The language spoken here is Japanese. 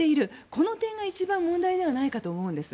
この点が一番問題ではないかと思うんです。